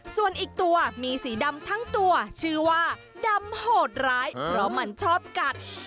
ส่วนอีกตัวมีสีดำทั้งตัวชื่อว่าดำโหดร้ายเพราะมันชอบกัด